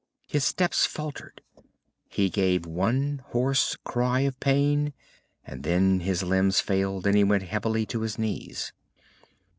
His steps faltered. He gave one hoarse cry of pain, and then his limbs failed and he went heavily to his knees.